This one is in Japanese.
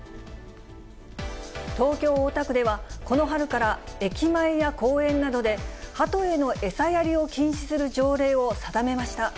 東京・大田区では、この春から駅前や公園などでハトへの餌やりを禁止する条例を定めました。